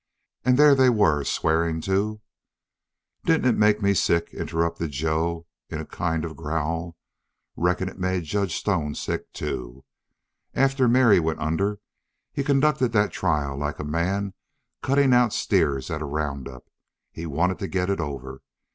And there they were swearing to " "Didn't it make me sick?" interrupted Joe in a kind of growl. "Reckon it made Judge Stone sick, too. After Mary went under he conducted that trial like a man cuttin' out steers at a round up. He wanted to get it over.